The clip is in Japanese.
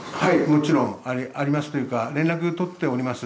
もちろんありますというか、連絡取っております。